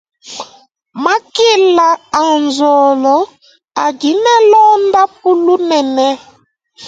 Makela a nzolo adi ne londampu lunene.